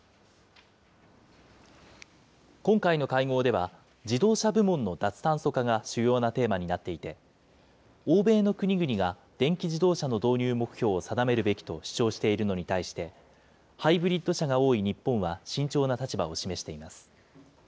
今回の会合では、自動車部門の脱炭素化が主要なテーマになっていて、欧米の国々が電気自動車の導入目標を定めるべきと主張しているのに対して、ハイブリッド車が多い日本は、慎重な立場を示しています。